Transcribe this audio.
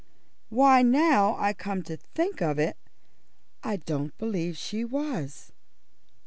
"Why, now I come to think of it, I don't believe she was."